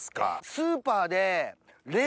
スーパーで。